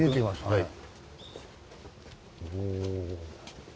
はい。